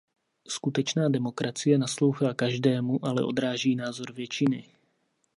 Skutečná demokracie naslouchá každému, ale odráží názor většiny.